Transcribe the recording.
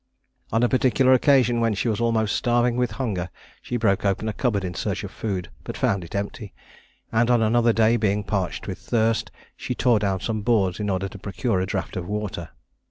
On a particular occasion, when she was almost starving with hunger, she broke open a cupboard in search of food, but found it empty; and on another day, being parched with thirst, she tore down some boards in order to procure a draught of water.